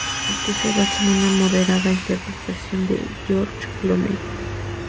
Y que se basa en una moderada interpretación de George Clooney.